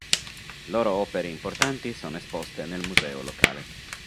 Loro opere importanti sono esposte nel museo locale.